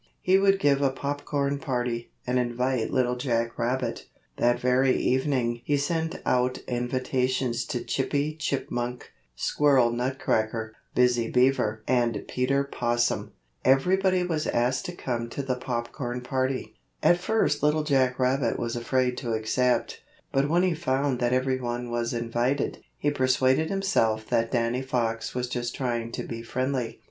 He would give a popcorn party, and invite Little Jack Rabbit. That very evening he sent out invitations to Chippy Chipmunk, Squirrel Nutcracker, Busy Beaver and Peter Possum. Everybody was asked to come to the Popcorn Party. At first Little Jack Rabbit was afraid to accept, but when he found that everyone was invited, he persuaded himself that Danny Fox was just trying to be friendly.